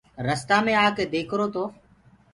رستآ مي آڪي ديکرو تو